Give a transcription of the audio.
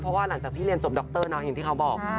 เพราะว่าหลังจากที่เรียนจบดรน้องอย่างที่เขาบอก